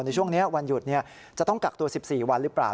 ในช่วงนี้วันหยุดจะต้องกักตัว๑๔วันหรือเปล่า